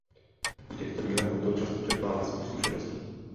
V těchto dílech autor často čerpá ze svých zkušeností.